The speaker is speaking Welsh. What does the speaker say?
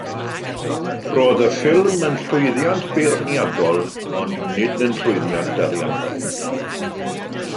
Roedd y ffilm yn llwyddiant beirniadol ond nid yn llwyddiant ariannol.